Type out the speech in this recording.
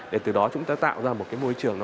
để từ đó chúng ta tạo ra một cái môi trường